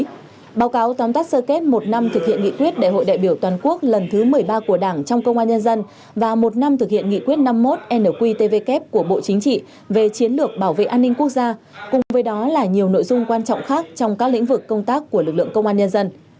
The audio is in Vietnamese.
trong đó báo cáo tóm tắt sơ kết một năm thực hiện nghị quyết đại hội đại biểu toàn quốc lần thứ một mươi ba của đảng trong công an nhân dân và một năm thực hiện nghị quyết năm mươi một nqtvk của bộ chính trị về chiến lược bảo vệ an ninh quốc gia cùng với đó là nhiều nội dung quan trọng khác trong các lĩnh vực công tác của lực lượng công an nhân dân